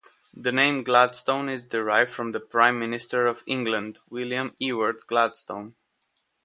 The name Gladstone is derived from the prime minister of England, William Ewart Gladstone.